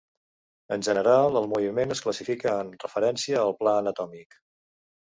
En general, el moviment es classifica en referència al pla anatòmic.